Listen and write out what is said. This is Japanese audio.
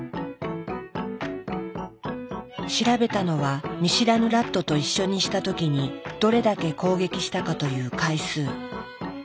調べたのは見知らぬラットと一緒にした時にどれだけ攻撃したかという回数。